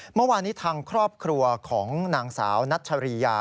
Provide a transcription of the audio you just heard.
เมื่อวานนี้ทางครอบครัวของนางสาวนัชรียา